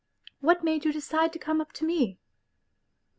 What made you decide to come up to me